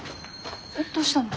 どうしたの？